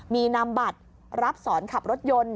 มีนำบัตรรับสอนขับรถยนต์